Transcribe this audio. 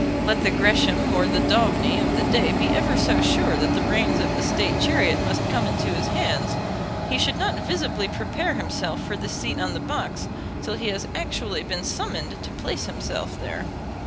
Let the Gresham or the Daubeny of the day be ever so sure that the reins of the State chariot must come into his hands, he should not visibly prepare himself for the seat on the box till he has actually been summoned to place himself there.